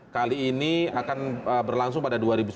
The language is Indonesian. kali ini akan berlangsung pada dua ribu sembilan belas